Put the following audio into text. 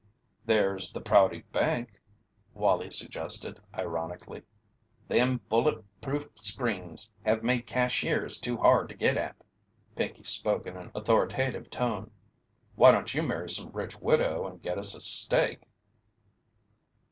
"There's the Prouty Bank," Wallie suggested, ironically. "Them bullet proof screens have made cashiers too hard to git at." Pinkey spoke in an authoritative tone. "Why don't you marry some rich widow and get us a stake?"